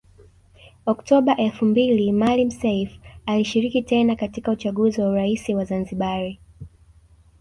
Oktoba elfu mbili Maalim Seif alishiriki tena katika uchaguzi wa urais wa Zanzibari